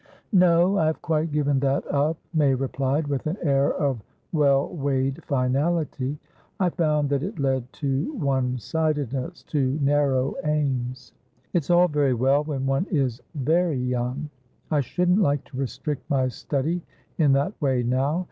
"No, I have quite given that up," May replied, with an air of well weighed finality. "I found that it led to one sidednessto narrow aims. It's all very well when one is very young. I shouldn't like to restrict my study in that way now.